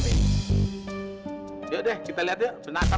selamatkan jiwa anak ini ya allah